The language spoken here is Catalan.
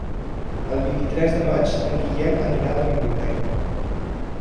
El vint-i-tres de maig en Guillem anirà a la biblioteca.